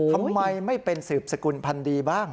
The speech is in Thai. ทำไมไม่เป็นสืบสกุลพันธ์ดีบ้าง